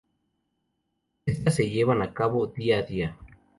Estas se llevan a cabo día a día.